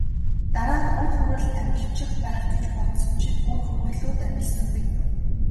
Дараа нь үр хөврөл амилчих байх гэж бодсон чинь үр хөврөлүүд амилсангүй.